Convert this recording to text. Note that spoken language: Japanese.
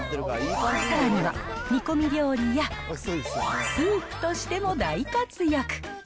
さらには、煮込み料理やスープとしても大活躍。